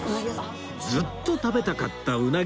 ずっと食べたかったうなぎ。